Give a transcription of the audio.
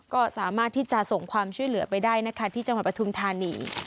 ก็สามารถที่จะส่งความช่วยเหลือไปได้นะคะที่จังหวัดปทุมธานี